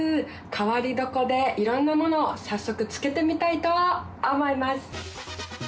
変わり床でいろんなものを早速漬けてみたいと思います。